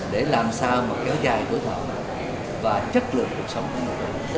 để làm sao mà kéo dài cuộc sống và chất lượng cuộc sống của người ta